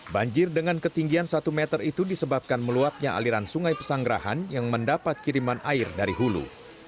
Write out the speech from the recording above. banjir dengan ketinggian satu meter itu disebabkan meluapnya aliran sungai pesanggerahan yang mendapat kiriman air dari hulu